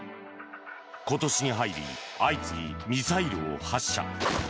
今年に入り相次ぎミサイルを発射。